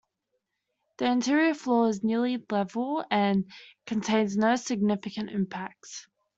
The interior floor is nearly level and contains no significant impacts.